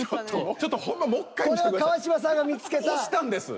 ちょっとほんまこれは川島さんが見つけた。